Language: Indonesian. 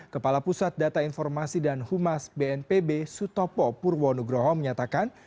kepala pusat data informasi dan humas bnpb sutopo purwonugroho menyatakan